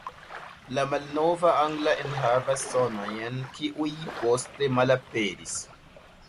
La malnova angla enhavas sonojn kiuj poste malaperis.